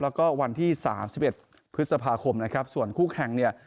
แล้วก็วันที่๓๑พฤษภาคมนะครับส่วนคู่แข่งเนี่ย